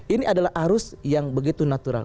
ini adalah arus yang begitu natural